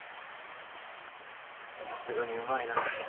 さすがにうまいな。